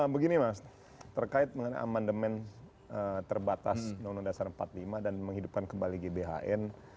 begini mas terkait mengenai amandemen terbatas undang undang dasar empat puluh lima dan menghidupkan kembali gbhn